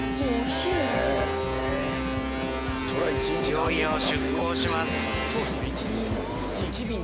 いよいよ出港します。